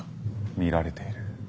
見られている。